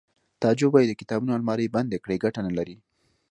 تعجب وایی د کتابونو المارۍ بندې کړئ ګټه نلري